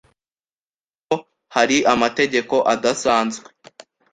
Hano hari amategeko adasanzwe.